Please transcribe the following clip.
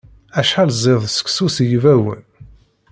Acḥal ziḍ seksu s yibawen!